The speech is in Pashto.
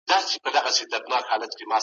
حل لاره ومومئ.